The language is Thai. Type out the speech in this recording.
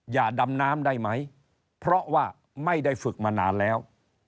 อย่าดำน้ำได้ไหมเพราะว่าไม่ได้ฝึกมานานแล้ว